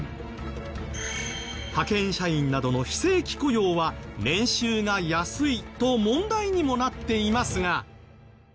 派遣社員などの非正規雇用は年収が安いと問題にもなっていますが。